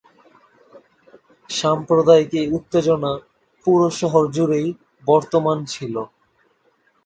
সাম্প্রদায়িক এই উত্তেজনা পুরো শহর জুড়েই বর্তমান ছিল।